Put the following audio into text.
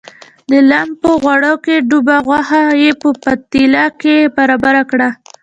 د لم په غوړو کې ډوبه غوښه یې په پتیله کې برابره کړه.